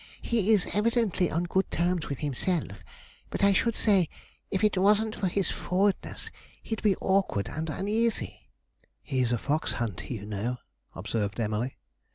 He is evidently on good terms with himself; but I should say, if it wasn't for his forwardness, he'd be awkward and uneasy.' 'He's a fox hunter, you know,' observed Emily.